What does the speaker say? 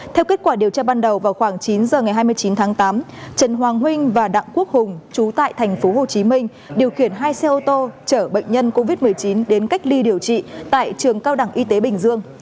theo kết quả điều tra ban đầu vào khoảng chín giờ ngày hai mươi chín tháng tám trần hoàng huynh và đặng quốc hùng chú tại tp hcm điều khiển hai xe ô tô chở bệnh nhân covid một mươi chín đến cách ly điều trị tại trường cao đẳng y tế bình dương